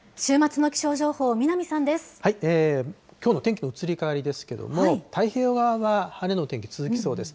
きょうの天気の移り変わりですけども、太平洋側が晴れのお天気、続きそうです。